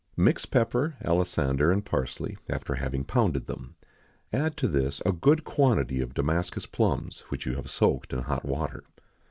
_ Mix pepper, alisander, and parsley, after having pounded them. Add to this a good quantity of Damascus plums, which you have soaked in hot water.